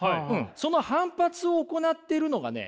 その反発を行ってるのがね